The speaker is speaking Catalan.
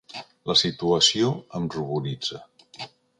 La situació em ruboritza.